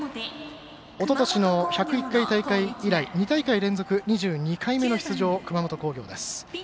おととしの１０１回大会以来２大会連続２２回目の出場熊本工業です。